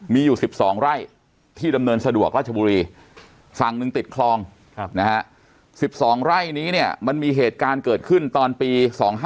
มีอยู่๑๒ไร่ที่ดำเนินสะดวกราชบุรีฝั่งหนึ่งติดคลอง๑๒ไร่นี้เนี่ยมันมีเหตุการณ์เกิดขึ้นตอนปี๒๕๖